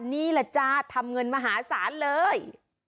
นี่แหละจ้าทำเงินมหาศาลเลย